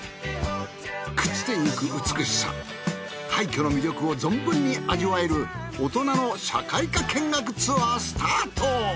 朽ちてゆく美しさ廃墟の魅力を存分に味わえる大人の社会科見学ツアースタート。